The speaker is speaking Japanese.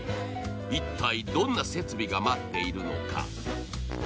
一体どんな設備が待っているのか。